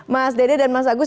mas dede dan mas agus